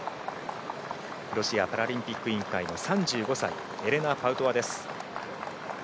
ロシア・パラリンピック委員会の３５歳、エレナ・パウトワです。